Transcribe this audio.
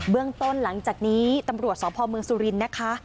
เรื่องต้นหลังจากนี้ตำรวจสพเมืองสุรินทร์นะคะ